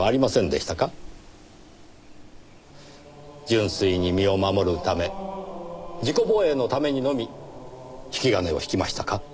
純粋に身を守るため自己防衛のためにのみ引き金を引きましたか？